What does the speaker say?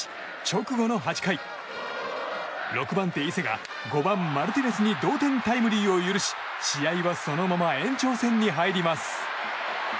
しかし、直後の８回６番手、伊勢が５番、マルティネスに同点タイムリーを許し試合はそのまま延長戦に入ります。